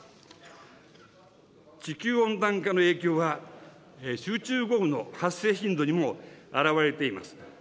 地球温暖化の影響は、集中豪雨の発生頻度にも表れています。